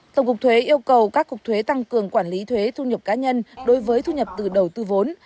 tổng cục thuế yêu cầu các cục thuế tăng cường quản lý thuế thu nhập cá nhân đối với thu nhập từ đầu tư vốn